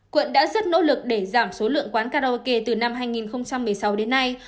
quận đã rất nỗ lực để giảm số lượng quán karaoke từ năm hai nghìn một mươi sáu đến nay